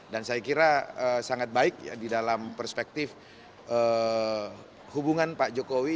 dan saya kira sangat baik di dalam perspektif hubungan pak jokowi